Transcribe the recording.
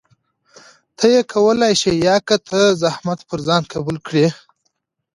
ته يې کولى شې يا که ته زحمت پر ځان قبول کړي؟